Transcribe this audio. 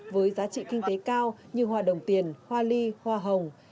với giá trị kinh tế cao như hoa đồng tiền hoa ly hoa hồng